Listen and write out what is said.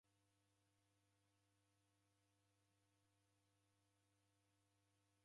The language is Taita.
Mrongo ghwa ng'ombe ghwaw'ambwa ngandenyi.